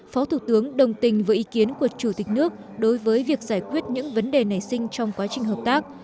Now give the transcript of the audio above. phó thủ tướng đồng tình với ý kiến của chủ tịch nước đối với việc giải quyết những vấn đề nảy sinh trong quá trình hợp tác